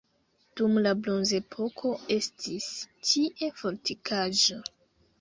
Dum la bronzepoko estis tie fortikaĵo.